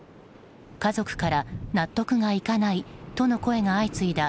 家族から納得がいかないとの声が相次いだ